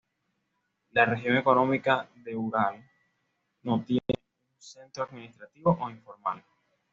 La región económica del Ural no tiene un centro administrativo o informal.